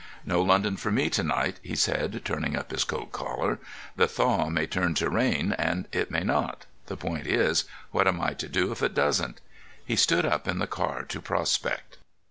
"No London for me to night," he said, turning up his coat collar. "This thaw may turn to rain and it may not. The point is, what am I to do if it doesn't?" He stood up in the car to prospect.